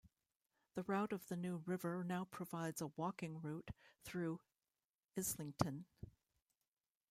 The route of the New River now provides a walking route through Islington.